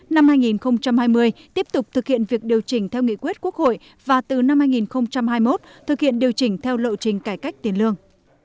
năm hai nghìn hai mươi tiếp tục thực hiện việc điều chỉnh theo nghị quyết quốc hội và từ năm hai nghìn hai mươi một thực hiện điều chỉnh theo lộ trình cải cách tiền lương